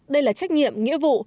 đây là trách nhiệm nghĩa vụ